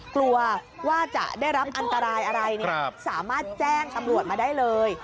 กลัวว่าจะได้รับอันตรายอะไรสามารถแจ้งตำรวจมาได้เลย